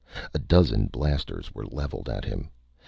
A dozen blasters were leveled at him.